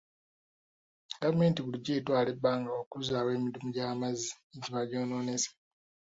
Gavumenti bulijjo etwala ebbanga okuzzaawo emidumu gy'amazzi egiba gyonoonese.